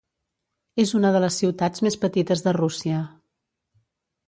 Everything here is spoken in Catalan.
És una de les ciutats més petites de Rússia.